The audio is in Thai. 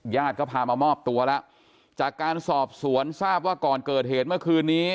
ญาติก็พามามอบตัวแล้วจากการสอบสวนทราบว่าก่อนเกิดเหตุเมื่อคืนนี้